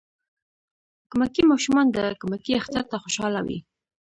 کمکي ماشومان د کمکی اختر ته خوشحاله وی.